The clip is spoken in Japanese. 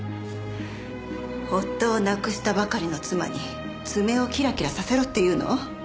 夫を亡くしたばかりの妻に爪をキラキラさせろっていうの？